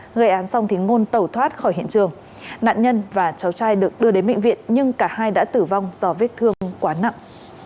gây án xong thì ngôn tẩu thoát khỏi hiện trường nạn nhân và cháu trai được đưa đến bệnh viện nhưng cả hai đã tử vong do vết thương quá nặng